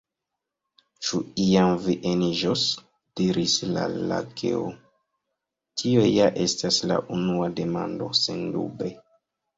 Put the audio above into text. "Ĉu iam vi eniĝos?" diris la Lakeo. "Tio ja estas la unua demando. Sendube! "